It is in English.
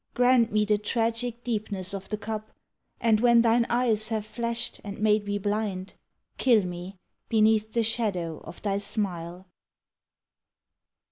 Grant me the tragic deepness of the cup, And when thine eyes have flashed and made me blind, Kill me beneath the shadow of thy smile.